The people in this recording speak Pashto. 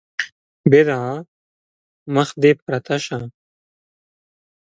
بدعا: مخ دې پرته شه!